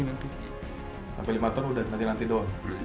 sampai lima tahun udah nanti nanti doang